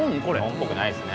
これ。